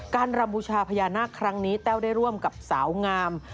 รำบูชาพญานาคครั้งนี้แต้วได้ร่วมกับสาวงาม